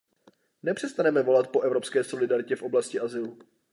Nepřestaneme volat po evropské solidaritě v oblasti azylu.